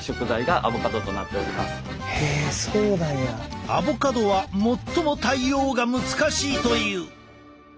アボカドは最も対応が難しいという。